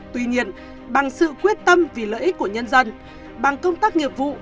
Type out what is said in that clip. tuy nhiên bằng sự quyết tâm vì lợi ích của nhân dân bằng công tác nghiệp vụ